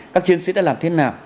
các chiến sĩ đã làm thế nào